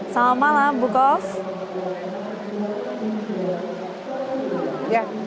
selamat malam ibu khof